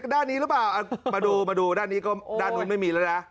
ด้านนี้หรือเปล่ามาดูด้านนี้ก็ไม่มีแล้วนะ